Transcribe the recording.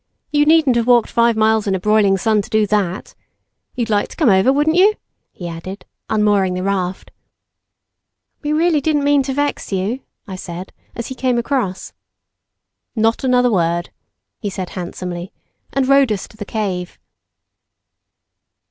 You needn't have walked five miles in the broiling sun to do that. You'd like to come over, wouldn't you?" he added, unmooring the raft. "We really didn't mean to vex you," I said, as he came across. "Not another word," he said handsomely, and rowed us to the cave.